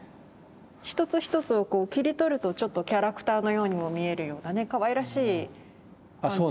一つ一つを切り取るとちょっとキャラクターのようにも見えるようなねかわいらしい感じが。